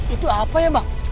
itu apa ya bang